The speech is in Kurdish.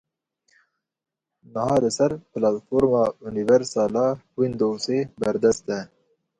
Niha li ser Platforma Universal a Windowsê berdest e.